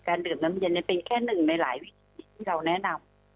ดื่มน้ำเย็นเป็นแค่หนึ่งในหลายวิธีที่เราแนะนำ